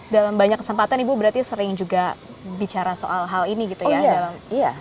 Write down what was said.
dalam banyak kesempatan ibu berarti sering juga bicara soal hal ini gitu ya